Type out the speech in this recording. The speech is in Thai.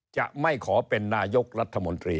จะไม่ขอเป็นนายกรัฐมนตรี